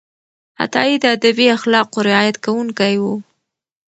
عطایي د ادبي اخلاقو رعایت کوونکی و.